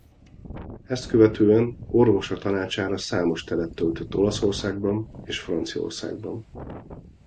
Ezt követően orvosa tanácsára számos telet töltött Olaszországban és Franciaországban.